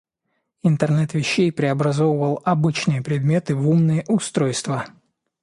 Интернет вещей преобразовывал обычные предметы в умные устройства.